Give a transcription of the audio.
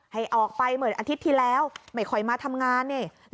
ให้ออกไปเหมือนอาทิตย์ที่แล้วไม่ค่อยมาทำงานนี่